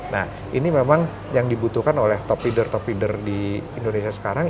nah ini memang yang dibutuhkan oleh top leader top leader di indonesia sekarang